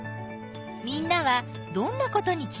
みんなはどんなことに気がついた？